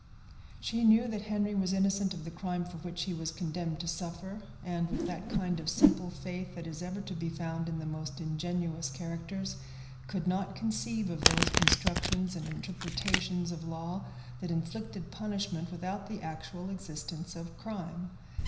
She knew that Henry was innocent of the crime for which he was condemned to suffer, and, with that kind of simple faith that is ever to be found in the most ingenuous characters, could not conceive of those constructions and interpretations of law that inflicted punishment without the actual existence of crime.